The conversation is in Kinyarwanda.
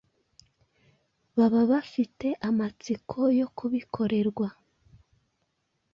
baba bafite amatsiko yo kubikorerwa.